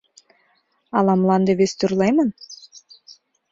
Ала мланде вестӱрлемын?